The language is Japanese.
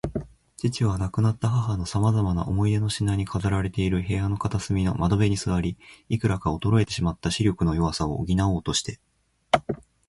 父は、亡くなった母のさまざまな思い出の品に飾られている部屋の片隅の窓辺に坐り、いくらか衰えてしまった視力の弱さを補おうとして